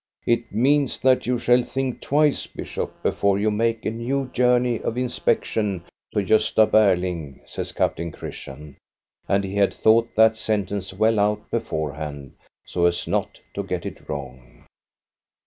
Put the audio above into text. It means that you shall think twice, bishop, before you make a new journey of inspection to Gosta Ber ling," says Captain Christian ; and he had thought that sentence well out beforehand, so as not to get it wrong.